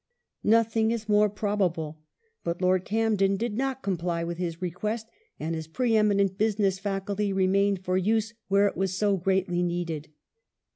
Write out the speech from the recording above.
Nothing is more probable ; but Lord Camden did not comply with his request, and his pre eminent business faculty re mained for use where it was so greatly needed.